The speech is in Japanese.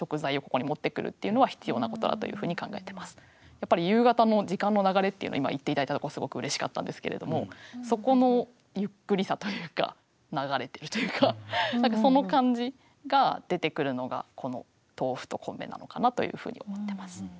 やっぱり夕方の時間の流れっていうの今言って頂いたとこすごくうれしかったんですけれどもそこのゆっくりさというか流れてるというかその感じが出てくるのがこの「豆腐」と「米」なのかなというふうに思ってます。